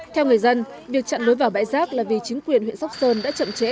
theo người dân việc chặn lối vào bãi rác là vì chính quyền huyện sóc sơn đã chậm trễ